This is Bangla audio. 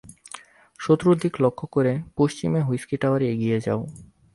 শত্রুর দিক লক্ষ্য করে পশ্চিমে হুইস্কি টাওয়ারে এগিয়ে যাও।